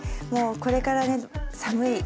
これから寒い冬